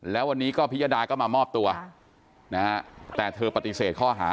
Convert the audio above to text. แล้ววันนี้ก็พิยดาก็มามอบตัวนะฮะแต่เธอปฏิเสธข้อหา